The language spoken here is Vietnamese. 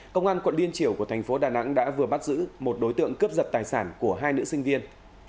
công an quận liên triểu của thành phố đà nẵng đã vừa bắt giữ một đối tượng cướp giật tài sản của hai nữ sinh viên